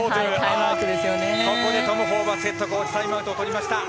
ここでトム・ホーバスヘッドコーチタイムアウトをとりました。